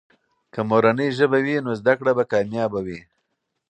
که مورنۍ ژبه وي، نو زده کړه به کامیابه وي.